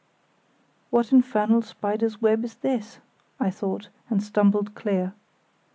"What infernal spider's web is this?" I thought, and stumbled clear.